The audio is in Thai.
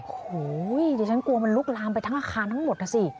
โอ้โหดิฉันกลัวมันลุกลามไปทั้งอาคารทั้งหมดนะสิ